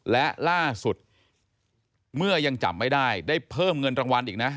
และล่าสุดเมื่อยังจำไม่ได้ได้เพิ่มเงินรางวัลอีกนะ